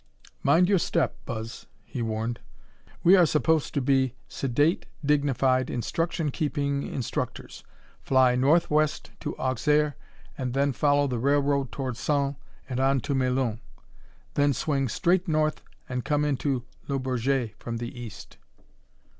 "Mind your step, Buzz," he warned. "We are supposed to be sedate, dignified, instruction keeping instructors. Fly northwest to Auxerre, then follow the railroad toward Sens and on to Melun. Then swing straight north and come into Le Bourget from the east."